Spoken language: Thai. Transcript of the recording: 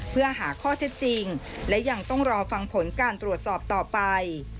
เพื่อหาข้อเท็จจริงและยังต้องรอฟังผลการตรวจสอบต่อไป